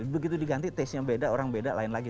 begitu diganti taste nya beda orang beda lain lagi